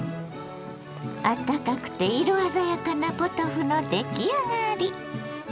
あったかくて色鮮やかなポトフの出来上がり。